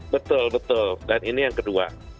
betul betul dan ini yang kedua